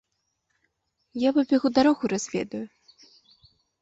Я пабягу дарогу разведаю.